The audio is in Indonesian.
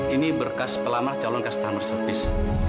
ini berkas pelamar calon kas tarmer servis